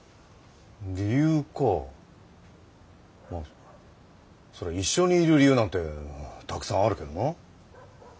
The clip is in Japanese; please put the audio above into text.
理由かそりゃ一緒にいる理由なんてたくさんあるけどな。